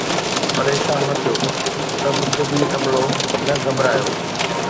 پريشان نه ٿيو، سڀ طبي عملو نه گھٻرايو